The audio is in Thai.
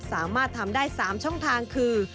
สามารถทำได้๓ช่องทางคือ